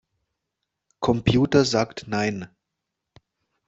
Computer sagt nein.